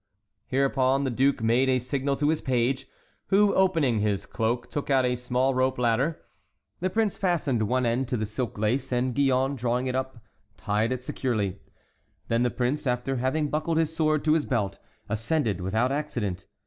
Hereupon the duke made a signal to his page, who, opening his cloak, took out a small rope ladder. The prince fastened one end to the silk lace, and Gillonne, drawing it up, tied it securely. Then the prince, after having buckled his sword to his belt, ascended without accident.